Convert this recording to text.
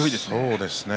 そうですね。